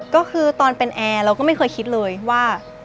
ก็คือตอนเป็นแอร์เราก็ไม่เคยคิดเลยว่า